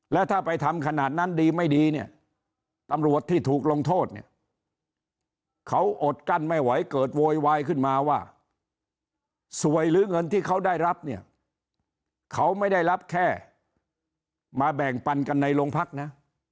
แล้วถ้าไปทำขนาดนั้นดีไม่ดีเนี่ยตำรวจที่ถูกลงโทษเนี่ยเขาอดกั้นไม่ไหวเกิดโวยวายขึ้นมาว่าสวยหรือเงินที่เขาได้รับเนี่ยเขาไม่ได้รับแค่มาแบ่งปันกันในโรงพักนะ